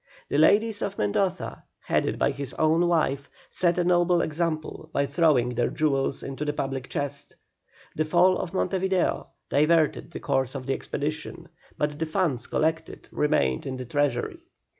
The ladies of Mendoza, headed by his own wife, set a noble example by throwing their jewels into the public chest. The fall of Monte Video diverted the course of the expedition, but the funds collected remained in the treasury.